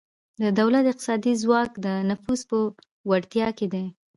د دولت اقتصادي ځواک د نفوذ په وړتیا کې دی